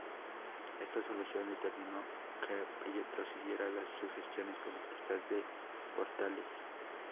Esta solución determinó que Prieto siguiera las sugestiones políticas de Portales.